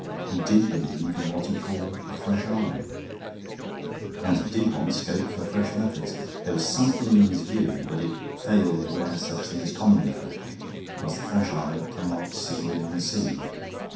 He did believe in what he called a fresh eye, and he did want scope for fresh methods. There was something in his view, but it failed where such things commonly fail, because the fresh eye cannot see the unseen.